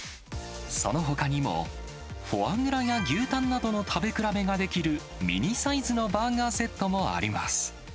そのほかにも、フォアグラや牛タンなどの食べ比べができる、ミニサイズのバーガーセットもあります。